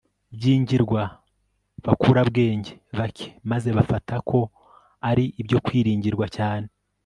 byingirwabakurabwenge bake maze bafata ko ari ibyo kwiringirwa cyane